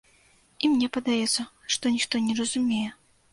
І мне падаецца, што ніхто не разумее.